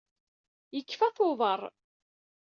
Yekfa tubeṛ.